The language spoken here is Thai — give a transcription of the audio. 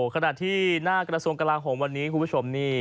ขณะที่หน้ากระทรวงกลาโหมวันนี้คุณผู้ชมนี่